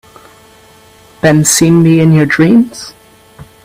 Been seeing me in your dreams?